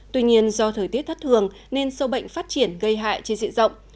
tuy nhiên do thời tiết thất thường nên sâu bệnh phát triển gây hại trên diện rộng